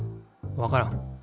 わからん。